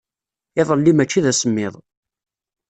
Iḍelli maci d asemmiḍ.